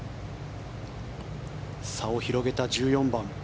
差を広げた１４番。